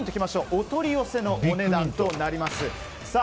お取り寄せのお値段となります。